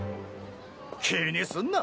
気にすんな。